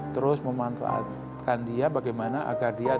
terus memanfaatkan dia bagaimana agar dia bisa berjaya